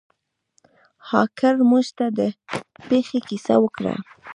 هارکر موږ ته د پیښې کیسه وکړه.